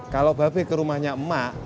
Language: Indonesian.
kalau bape ke rumahnya emak